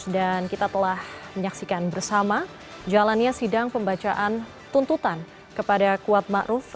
dan kita telah menyaksikan bersama jalannya sidang pembacaan tuntutan kepada kuat ma'ruf